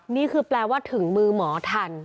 นี่คือแปลว่าถึงมือหมอทัน